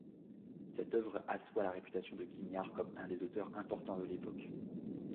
Cette œuvre assoit la réputation de Quignard comme un des auteurs importants de l'époque.